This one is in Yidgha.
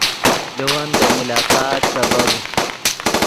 لے ون دے ملاقات سبب